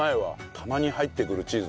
たまに入ってくるチーズ